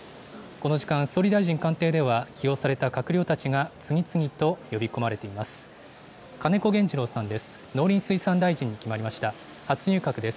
この時間、総理大臣官邸では、起用された閣僚たちが、次々と呼び込まれています。